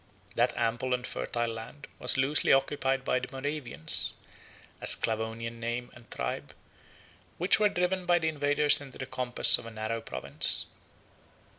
30 That ample and fertile land was loosely occupied by the Moravians, a Sclavonian name and tribe, which were driven by the invaders into the compass of a narrow province.